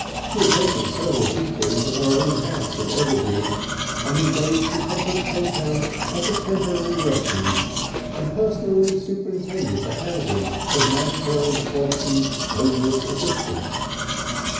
She had taken several people into her own house at Everdean, had engaged the Temperance Hotel as a temporary refuge, and personally superintended the housing of Mantell and Throbson's homeless assistants.